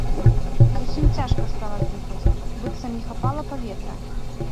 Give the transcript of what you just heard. Зусім цяжка стала дыхаць, быццам не хапала паветра.